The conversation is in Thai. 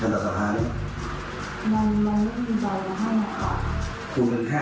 บางนั้นผมบอกว่าผมไม่ได้อนุญาณนะ